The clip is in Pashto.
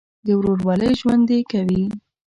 د ورورولۍ ژوند دې کوي.